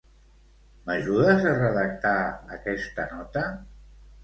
M'ajudes a redactar aquesta nota?